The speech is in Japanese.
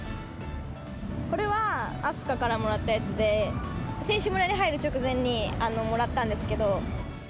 これは明日香からもらったやつで、選手村に入る直前にもらったんですけど。